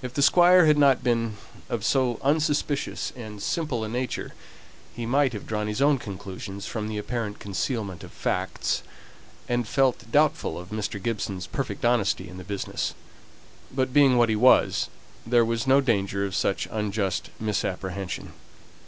If the Squire had not been of so unsuspicious and simple a nature, he might have drawn his own conclusions from the apparent concealment of facts, and felt doubtful of Mr. Gibson's perfect honesty in the business; but being what he was, there was no danger of such unjust misapprehension.